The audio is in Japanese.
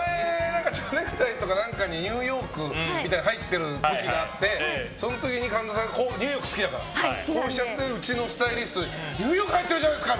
蝶ネクタイとかニューヨークみたいなのが入ってる時があってその時に神田さんニューヨークが好きだからうちのスタイリストにニューヨーク入ってるじゃないですか！